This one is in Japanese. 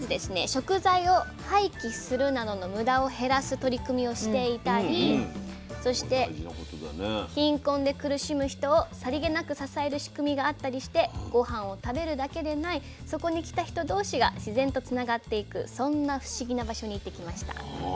食材を廃棄するなどの無駄を減らす取り組みをしていたりそして貧困で苦しむ人をさりげなく支える仕組みがあったりしてごはんを食べるだけでないそこに来た人同士が自然とつながっていくそんな不思議な場所に行ってきました。